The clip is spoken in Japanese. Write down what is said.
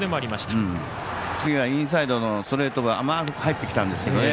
次がインサイドのストレートが甘く入ってきたんですけどね。